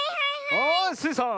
はいスイさん。